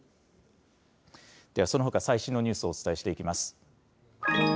では、そのほか最新のニュースをお伝えしていきます。